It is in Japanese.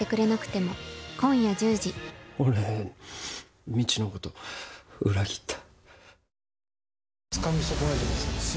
俺、みちのこと、裏切った。